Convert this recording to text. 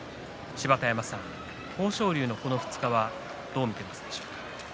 芝田山さん、豊昇龍のこの２日はどう見ていますか。